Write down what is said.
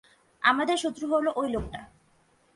আমাদের শত্রু হলো ওই লোকটা।